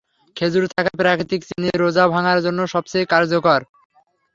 খেজুরে থাকা প্রাকৃতিক চিনি রোজা ভাঙ্গার জন্য সবচেয়ে কার্যকর।